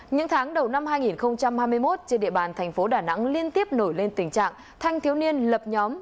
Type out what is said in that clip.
những tháng đầu năm hai nghìn hai mươi một trên địa bàn thành phố đà nẵng liên tiếp nổi lên tình trạng thanh thiếu niên lập nhóm